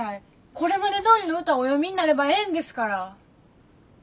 これまでどおりの歌お詠みになればええんですから。